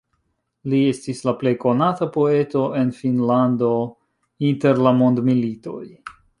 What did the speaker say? Li estis la plej konata poeto en Finnlando inter la mondmilitoj.